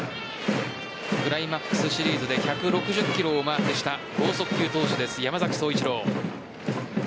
クライマックスシリーズで１６０キロをマークした剛速球投手です、山崎颯一郎。